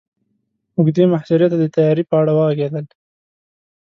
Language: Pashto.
اوږدې محاصرې ته د تياري په اړه وغږېدل.